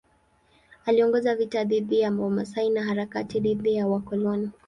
Aliongoza vita dhidi ya Wamasai na harakati dhidi ya wakoloni.